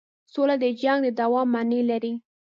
سوله د جنګ د دوام معنی لري.